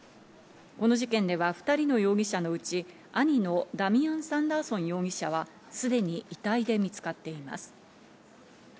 この事件では２人の容疑者のうち、兄のダミアン・サンダーソン容疑者は、すでに遺体で見つかっています。